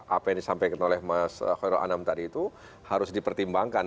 apa yang disampaikan oleh mas khairul anam tadi itu harus dipertimbangkan